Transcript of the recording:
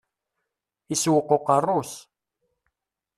Isewweq uqerru-s.